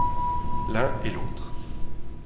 L’un et l’autre.